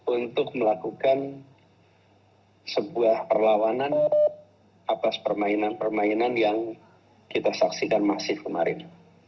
untuk melakukan sebuah perlawanan atas permainan permainan yang kita saksikan masif kemarin